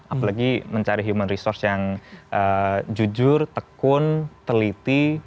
apalagi mencari human resource yang jujur tekun teliti